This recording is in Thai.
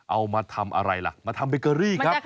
เอามาทำอะไรล่ะมาทำเบเกอรี่ครับ